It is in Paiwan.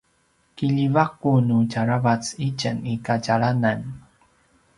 kiljivaku nu djaravac itjen i kadjalanan